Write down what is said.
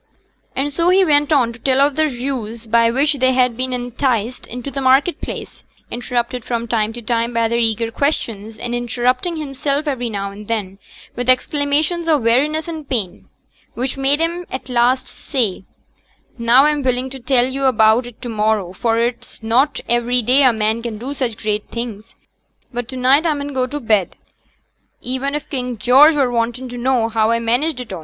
And so he went on to tell of the ruse by which they had been enticed into the market place; interrupted from time to time by their eager questions, and interrupting himself every now and then with exclamations of weariness and pain, which made him at last say, 'Now a'm willing to tell yo' a' about it to morrow, for it's not ivery day a man can do such great things; but to neet a mun go to bed, even if King George were wantin' for to know how a managed it a'.'